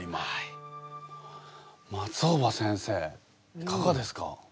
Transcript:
松尾葉先生いかがですか？